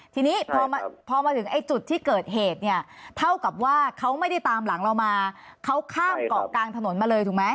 ทีนี้พอมาถึงไอ้จุดที่เกิดเหตุเนี่ยเท่ากับว่าเขาไม่ได้ตามหลังเรามาเขาข้ามเกาะกลางถนนมาเลยถูกไหม